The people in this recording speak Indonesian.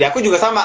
ya aku juga sama